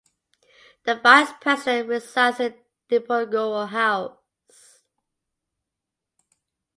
The Vice President resides in the Diponegoro House.